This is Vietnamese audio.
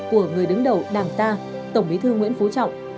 của người đứng đầu đảng ta tổng bí thư nguyễn phú trọng